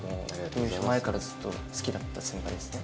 入所前からずっと好きだった先輩ですね。